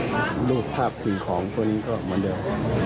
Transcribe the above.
ก็อยากให้ตรงอย่างนี้เหมือนเดิม